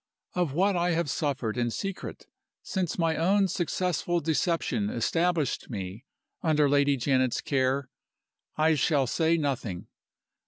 "Of what I have suffered in secret since my own successful deception established me under Lady Janet's care I shall say nothing.